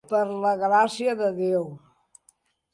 Per la gràcia de Déu.